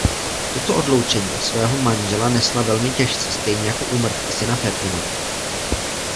Toto odloučení od svého manžela nesla velmi těžce stejně jako úmrtí syna Ferdinanda.